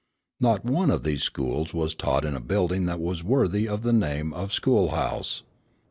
Not one of these schools was taught in a building that was worthy of the name of school house.